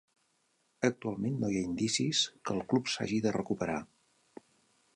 Actualment no hi ha indicis que el club s'hagi de recuperar.